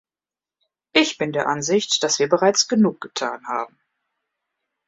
Ich bin der Ansicht, dass wir bereits genug getan haben.